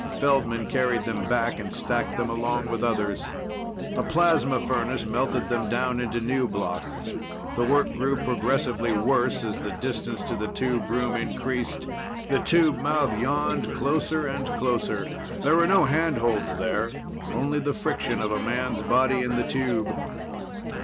Feldman carried them back and stacked them along with others. A plasma furnace melted them down into new blocks. The work grew progressively worse as the distance to the tube room increased. The tube mouth yawned closer and closer. There were no handholds there only the friction of a man's body in the tube.